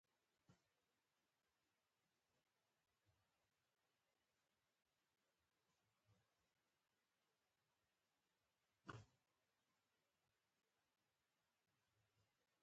دا د بدخشان یوه پرمختللې ولسوالي ده